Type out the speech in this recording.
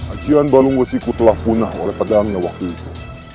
ajian balungwesiku telah punah oleh pedangnya waktu itu